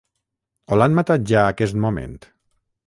O l’han matat ja aquest moment?